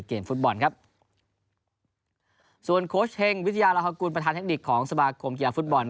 ฟุตบอลครับส่วนโค้ชเฮงวิทยาลาฮกุลประธานเทคนิคของสมาคมกีฬาฟุตบอล